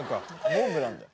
モンブランだよ。